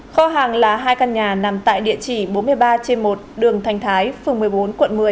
kho hàng là hai căn nhà nằm tại địa chỉ bốn mươi ba trên một đường thành thái phường một mươi bốn quận một mươi